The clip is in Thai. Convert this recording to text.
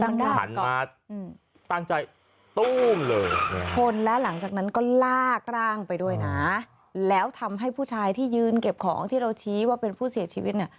หันมาตั้งใจตู้มเลยชนแล้วหลังจากนั้นก็ลากร่างไปด้วยนะแล้วทำให้ผู้ชายที่ยืนเก็บของที่เราชี้ว่าเป็นผู้เสียชีวิตเนี่ย